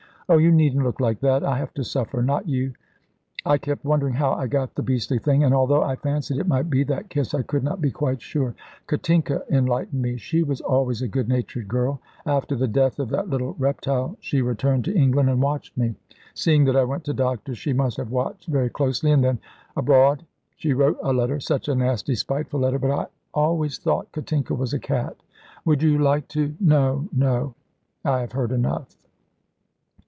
"Oh, you needn't look like that. I have to suffer, not you. I kept wondering how I got the beastly thing, and although I fancied it might be that kiss, I could not be quite sure. Katinka enlightened me she was always a good natured girl. After the death of that little reptile, she returned to England and watched me. Seeing that I went to doctors she must have watched very closely and then abroad, she wrote a letter such a nasty, spiteful letter. But I always thought Katinka was a cat. Would you like to ?" "No, no; I have heard enough."